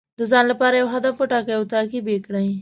د ځان لپاره یو هدف وټاکئ او تعقیب یې کړئ.